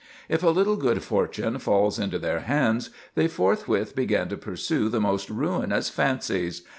"If a little good fortune falls into their hands, they forthwith begin to pursue the most ruinous fancies